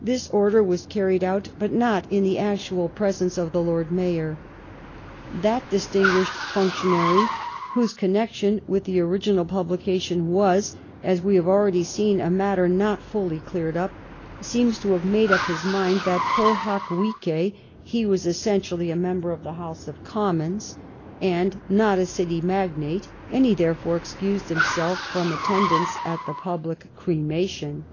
This order was carried out, but not in the actual presence of the Lord Mayor. That distinguished functionary, whose connection with the original publication was, as wo have already seen, a matter not fully cleared up, seems to have made up his mind that, pro hoc vice, he was essentially a member of the House of Commons and not a City magnate, and he therefore excused himself from attendance at the public cremation.